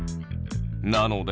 なので。